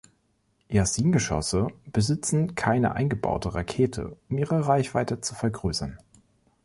Yasin-Geschosse besitzen keine eingebaute Rakete, um ihre Reichweite zu vergrößern.